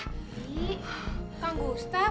ibi kang gustaf